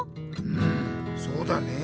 うんそうだね。